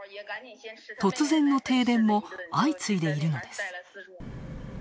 突然の停電も相次いでいるのです。